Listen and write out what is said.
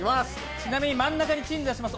ちなみに真ん中に鎮座します